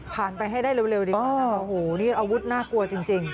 ไปให้ได้เร็วดีกว่านะคะโอ้โหนี่อาวุธน่ากลัวจริง